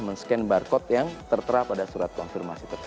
men scan barcode yang tertera pada surat konfirmasi tersebut